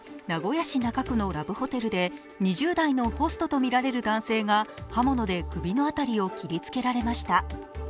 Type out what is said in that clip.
名古屋市中区のラブホテルで２０代のホストとみられる男性が刃物で首の辺りを切りつけられました。